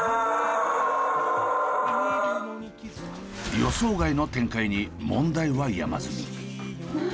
予想外の展開に問題は山積み。